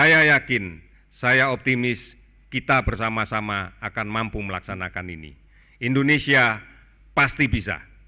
saya yakin saya optimis kita bersama sama akan mampu melaksanakan ini indonesia pasti bisa